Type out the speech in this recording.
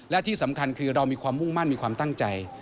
และที่สำคัญคือเรามีความมุ่งมั่นมีความตั้งใจ